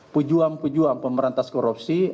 pejuang pejuang pemberantas korupsi